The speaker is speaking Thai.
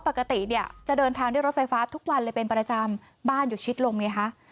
ปกติเนี่ยจะเดินทางด้วยรถไฟฟ้าทุกวันเลยเป็นประจำบ้านอยู่ชิดลงไงฮะ